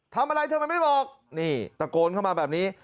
ทำไมไม่บอกนี่ตะโกนเข้ามาแบบนี้